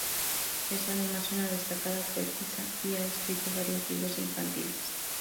Es además una destacada poetisa y ha escrito varios libros infantiles.